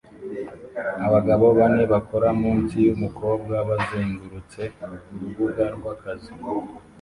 Abagabo bane bakora munsi yumukobwa bazengurutse urubuga rwakazi